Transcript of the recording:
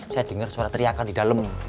saya dengar suara teriakan di dalam